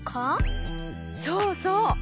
そうそう！